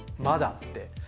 まだって。